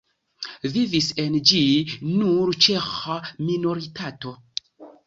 Vivis en ĝi nur ĉeĥa minoritato.